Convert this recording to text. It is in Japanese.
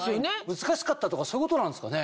難しかったとかそういうことなんですかね？